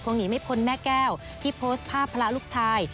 หนีไม่พ้นแม่แก้วที่โพสต์ภาพพระลูกชาย